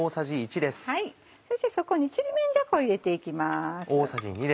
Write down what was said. そしてそこにちりめんじゃこを入れていきます。